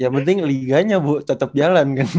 yang penting liganya bu tetap jalan kan